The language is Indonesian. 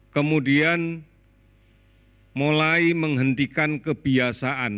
kemudian mulai menghentikan kebiasaan